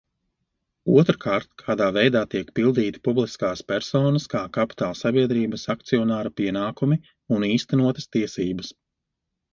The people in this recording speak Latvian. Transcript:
Otrkārt, kādā veidā tiek pildīti publiskās personas kā kapitālsabiedrības akcionāra pienākumi un īstenotas tiesības.